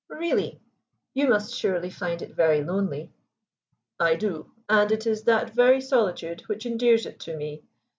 "Really! You must surely find it very lonely?" "I do, and it is that very solitude which endears it to me.